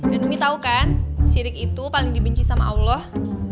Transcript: dan umi tau kan syirik itu paling dibenci sama allah